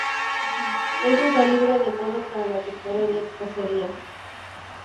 Es un calibre adecuado para la pistola de cacería.